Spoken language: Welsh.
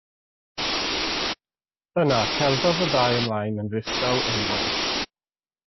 Yna cerddodd y ddau ymlaen yn ddistaw eilwaith.